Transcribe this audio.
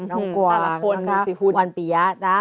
น้องกวางนะคะหวานปียะ